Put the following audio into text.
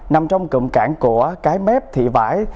nằm trong cụm cảng của cái mép thị vải